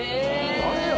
「誰や？